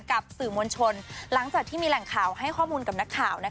กับสื่อมวลชนหลังจากที่มีแหล่งข่าวให้ข้อมูลกับนักข่าว